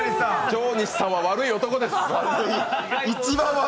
上西さんは悪い男です。